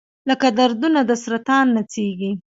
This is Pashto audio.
لکه دردونه د سرطان نڅیږي